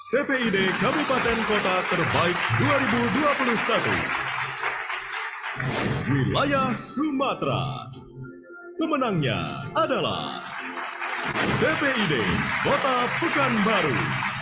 dpid kabupaten kota terbaik dua ribu dua puluh satu wilayah sumatera pemenangnya adalah dpid kota pekanbaru